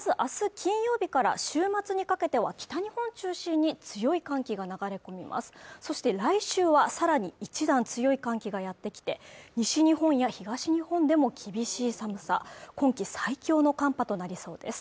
金曜日から週末にかけては北日本中心に強い寒気が流れ込みますそして来週はさらに一段強い寒気がやってきて西日本や東日本でも厳しい寒さ今季最強の寒波となりそうです